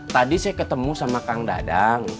tadi saya ketemu sama kang dadang